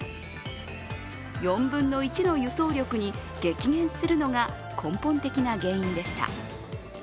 ４分の１の輸送力に激減するのが根本的な原因でした。